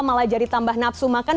malah jadi tambah nafsu makan